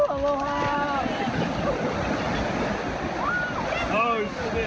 อ่าสุดท้าย